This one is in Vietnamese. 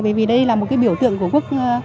bởi vì đây là một cái biểu tượng của quốc